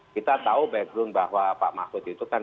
kita tahu background bahwa pak mahfud itu kan